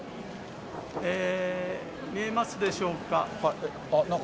見えますでしょうか。